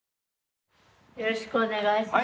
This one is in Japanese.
よろしくお願いします。